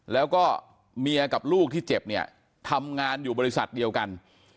แล้วก็เมียกับลูกที่เจ็บเนี่ยทำงานอยู่บริษัทเดียวกัน